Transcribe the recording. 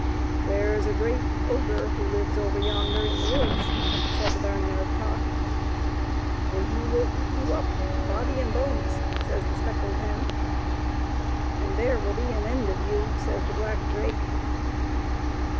"There's a great ogre who lives over yonder in the woods," says the barn yard cock. " And he will eat you up, body and bones," says the speckled hen. " And there will be an end of you," says the black drake.